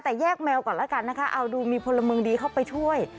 แต่แยกแมวก่อนแล้วกันนะคะเอาดูมีพลเมืองดีเข้าไปช่วย